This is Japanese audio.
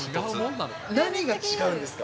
何が違うんですか？